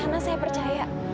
karena saya percaya